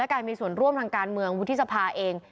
การมีส่วนร่วมทางการเมืองวุฒิสภาเอง